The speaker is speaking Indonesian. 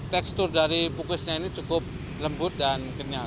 tekstur dari bukusnya ini cukup lembut dan kenyal